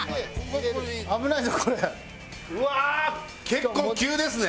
結構急ですね。